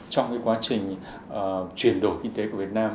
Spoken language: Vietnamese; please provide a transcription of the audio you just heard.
trong cái quá trình chuyển đổi kinh tế của việt nam